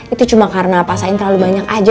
itu cuma karena pasain terlalu banyak aja